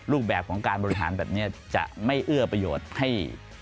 รูปแบบของการบริหารแบบนี้จะไม่เอื้อประโยชน์ให้